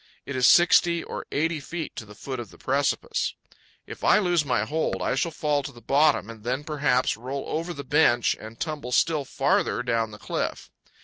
It is sixty or eighty feet to the foot of the precipice. If I lose my hold I shall fall to the bottom and then perhaps roll over the bench and tumble still farther down the cliff.